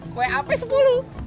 kue api sepuluh